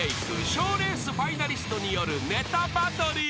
賞レースファイナリストによるネタバトル］